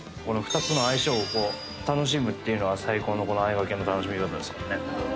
この２つの相性をこう楽しむっていうのが最高のこのあいがけの楽しみ方ですからね